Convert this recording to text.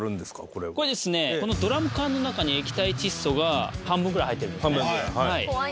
これはこのドラム缶の中に液体窒素が半分ぐらい入ってるんですね